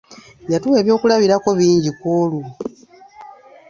Yatuwa eby'okulabirako bingi kwolwo.